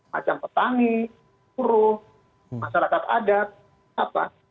macam petani burung masyarakat adat